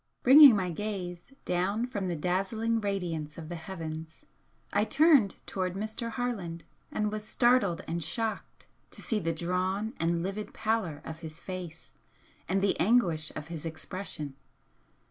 Bringing my gaze down from the dazzling radiance of the heavens, I turned towards Mr. Harland and was startled and shocked to see the drawn and livid pallor of his face and the anguish of his expression.